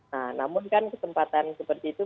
nah namun kan kesempatan seperti itu